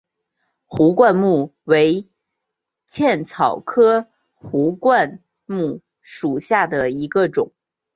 壶冠木为茜草科壶冠木属下的一个种。